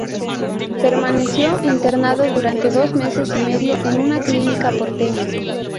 Permaneció internado durante dos meses y medio en una clínica porteña.